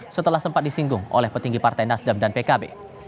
setelah sempat disinggung oleh petinggi partai nasdem dan pkb